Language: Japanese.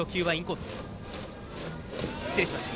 失礼しました。